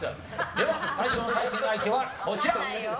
では、最初の対戦相手はこちら。